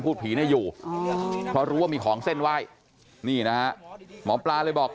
ผีเนี่ยอยู่เพราะรู้ว่ามีของเส้นไหว้นี่นะฮะหมอปลาเลยบอก